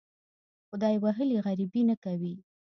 خدای وهلي غریبي نه کوي.